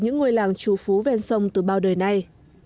những ngôi làng trù phú ven sông từ bao đời nay